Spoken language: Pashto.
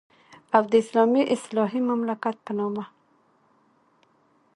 او د اسلامي اصلاحي مملکت په نامه.